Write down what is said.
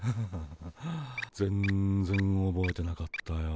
全然おぼえてなかったよ。